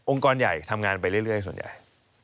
กรใหญ่ทำงานไปเรื่อยส่วนใหญ่